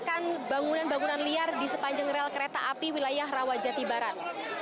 dan bangunan bangunan liar di sepanjang rel kereta api wilayah rawajati barat